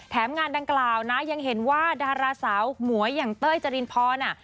งานดังกล่าวนะยังเห็นว่าดาราสาวหมวยอย่างเต้ยจรินพรน่ะ